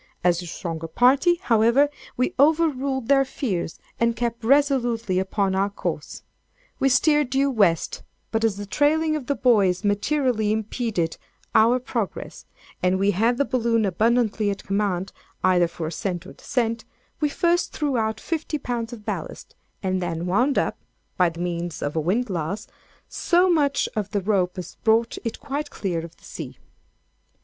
As the stronger party, however, we overruled their fears, and kept resolutely upon our course. We steered due West; but as the trailing of the buoys materially impeded our progress, and we had the balloon abundantly at command, either for ascent or descent, we first threw out fifty pounds of ballast, and then wound up (by means of a windlass) so much of the rope as brought it quite clear of the sea.